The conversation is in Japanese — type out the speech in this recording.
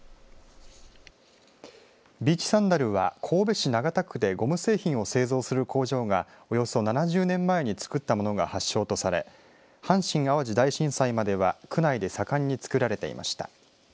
ビーチサンダルは神戸市長田区でゴム製品を製造する工場がおよそ７０年前に作ったものが発祥とされ阪神・淡路大震災までには区内で盛んに作られていました。